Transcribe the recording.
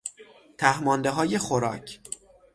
ته ماندههای خوراک